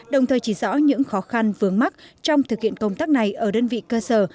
đồng thời chỉ rõ những khó khăn vướng mắt trong thực hiện công tác này ở đơn vị cơ sở